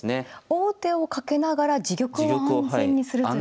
王手をかけながら自玉を安全にするということ。